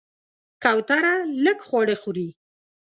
کوتره لږ خواړه خوري.